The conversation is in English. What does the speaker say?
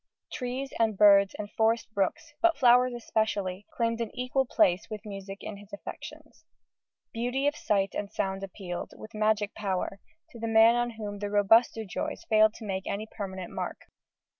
Trees and birds and forest brooks, but flowers especially, claimed an equal place with music in his affections. Beauty of sight and sound appealed, with magic power, to the man on whom the robuster joys failed to make any permanent mark.